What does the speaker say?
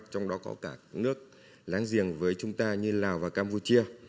trong đó có cả nước láng giềng với chúng ta như lào và campuchia